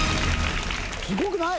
すごくない？